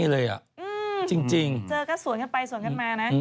จริงเจอก็สวนกันไปสวนกันมานะ